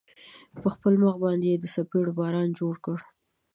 په خپل مخ باندې يې د څپېړو باران جوړ کړ.